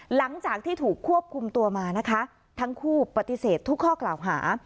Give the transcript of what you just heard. หลังจากที่ถูกควบคุมตัวมานะคะทั้งคู่ปฏิเสธทุกข้อกล่าวหา